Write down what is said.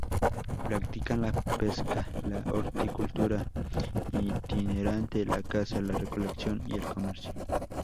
Practican la pesca, la horticultura itinerante, la caza, la recolección y el comercio.